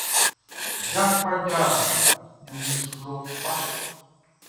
Viaʼn kpadja ɲanmiɛn su lɔ kpa.